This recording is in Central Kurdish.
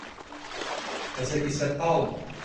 کەسێکی سەرقاڵم.